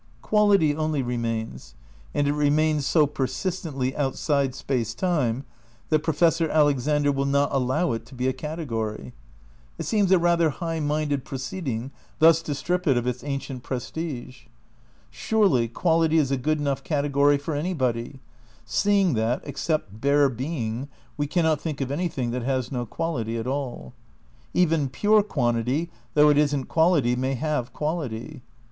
Quality only remains ; and it remains so persistently outside Space Time that Professor Alexander will not ' See above, pp. 224: 226. VI RECONSTRUCTION OF IDEALISM 243 allow it to be a category. It seems a rather high mind ed proceeding thus to strip it of its ancient prestige. Surely Quality is a good enough category for anybody, seeing that, except bare Being, we cannot think of any thing that has no quality at all. Even pure quantity, though it isn't quality, may have quality.